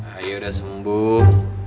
ayo udah sembuh